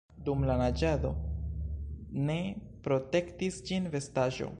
Dum la naĝado ne protektis ĝin vestaĵo.